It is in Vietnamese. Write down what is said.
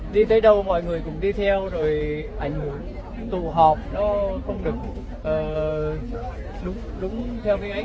đi tới đâu mọi người cũng đi theo rồi ảnh hưởng tụ họp nó không được đúng theo cái ấy